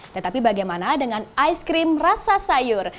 tetapi bagaimana dengan aiskrim rasa sayur